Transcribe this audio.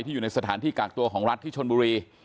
อยู่ในสถานที่กากตัวของรัฐที่ชนบุรี